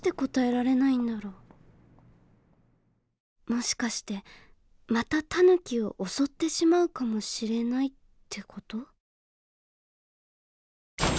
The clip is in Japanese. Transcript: もしかしてまたタヌキを襲ってしまうかもしれないって事？